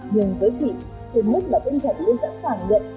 nhưng với chị trên mức là tinh thần luôn sẵn sàng nhận